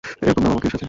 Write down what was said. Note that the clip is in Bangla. এরকম নাম আমাকেই সাজে।